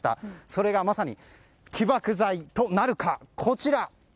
それがまさに起爆剤となるかこちら。